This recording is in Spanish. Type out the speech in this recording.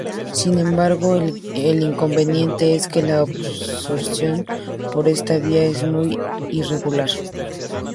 Sin embargo, el inconveniente es que la absorción por esta vía es muy irregular.